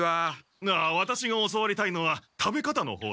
ああワタシが教わりたいのは食べ方のほうです。